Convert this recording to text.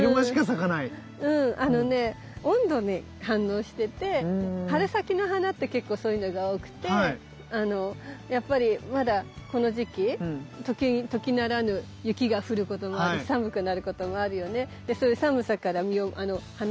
あのね温度に反応してて春先の花って結構そういうのが多くてやっぱりまだこの時期時ならぬ雪が降ることもあるし寒くなることもあるよね。